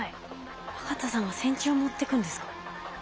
若田さんが線虫を持ってくんですか？